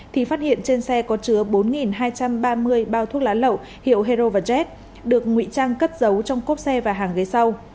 thì phát hiện trên xe có chứa bốn hai trăm ba mươi bao thuốc lá lậu hiệu hero và jet được nguy trang cất giấu trong cốp xe và hàng ghế sau